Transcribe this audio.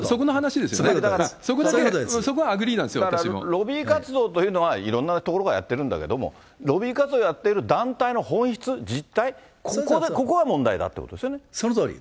だから、そこはアグリーなんロビー活動というのはいろんなところがやっているんだけれども、ロビー活動をやっている団体の本質、実態、ここが問題だってことですよね。